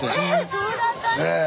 そうだったんですか。